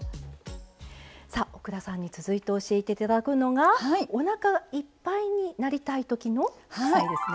さあ奥田さんに続いて教えていただくのがおなかいっぱいになりたいときの副菜ですね。